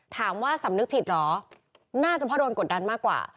ถามว่าสำนึกผิดเหรอน่าจะเพราะโดนกดดันมากกว่า